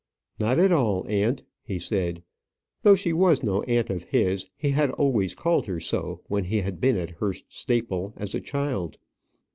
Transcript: "Not at all, aunt," he said: though she was no aunt of his, he had always called her so when he had been at Hurst Staple as a child.